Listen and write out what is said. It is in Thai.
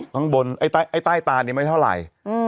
ทั้งบนต้านี้ไม่เท่าไร